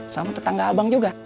sama tetangga abang juga